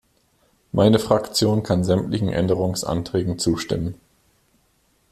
Meine Fraktion kann sämtlichen Änderungsanträgen zustimmen.